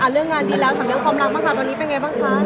เรื่องงานดีแล้วถามเรื่องความรักบ้างค่ะตอนนี้เป็นไงบ้างคะ